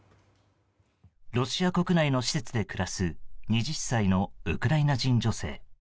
ロシア国内の施設で暮らす２０歳のウクライナ人女性。